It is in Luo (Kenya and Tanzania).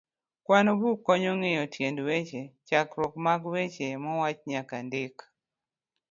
kwand buk konyo Ng'eyo Tiend Weche, chakruok mag weche mowach nyaka ndik.